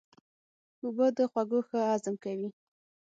اوبه د خوړو ښه هضم کوي.